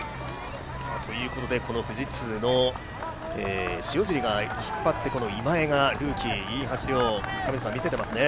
富士通の塩尻が引っ張って、このルーキーの今江がいい走りを見せていますね。